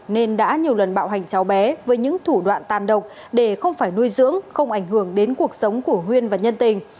nên đã nhiều lần bạo hành cháu bé với những thủ đoạn tàn độc để không phải nuôi dưỡng không ảnh hưởng đến cuộc sống của huyên và nhân tình